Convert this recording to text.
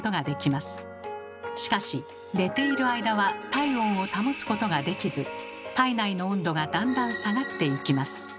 しかし寝ている間は体温を保つことができず体内の温度がだんだん下がっていきます。